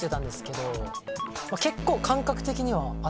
結構。